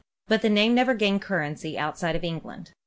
But the name never gained currency outside of England.